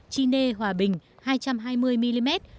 chi nê hòa bình hai trăm hai mươi mm